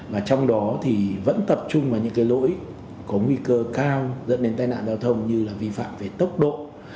và trong đó thì vẫn tập trung vào những cái lỗi có nguy cơ cao dẫn đến tai nạn giao thông như là vi phạm về tốc độ